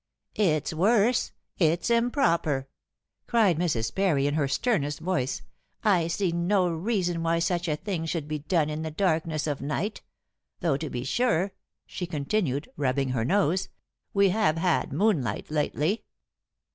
"It's worse; it's improper," cried Mrs. Parry in her sternest voice. "I see no reason why such a thing should be done in the darkness of night. Though to be sure," she continued, rubbing her nose, "we have had moonlight lately."